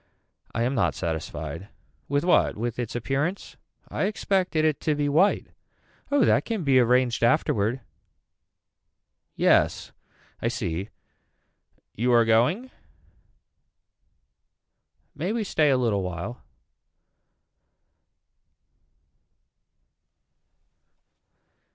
I am not satisfied. With what with it's appearance. I expected it to be white. Oh that can be arranged afterward. Yes I see. You are going. May we stay a little while.